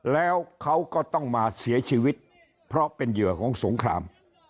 แล้วเขาก็ต้องมาเสียชีวิตเพราะเป็นเหยื่อของสงคราม